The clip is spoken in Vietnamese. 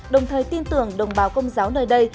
đồng thời tin tưởng đồng bào công giáo nơi đây